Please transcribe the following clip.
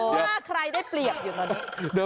ถ้าใครได้เปรียบอยู่ตอนนี้